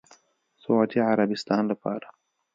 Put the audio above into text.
سعودي عربستان لپاره